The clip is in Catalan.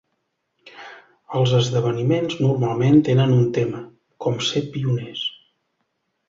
Els esdeveniments normalment tenen un tema, com ser pioners.